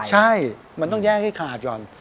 ใช่มันต้องแยกให้ขาดก่อน